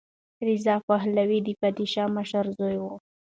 رضا پهلوي د پادشاه مشر زوی و.